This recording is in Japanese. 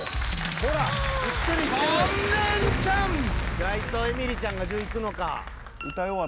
意外とエミリちゃんが１０いくのか。